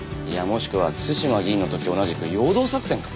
もしくは対馬議員の時と同じく陽動作戦か？